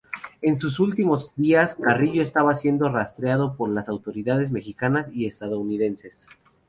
En sus últimos días, Carrillo estaba siendo rastreado por las autoridades mexicanas y estadounidenses.